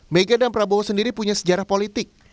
mega dan prabowo sendiri punya sejarah politik